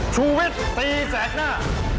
ชูวิทย์ตีแสกหน้า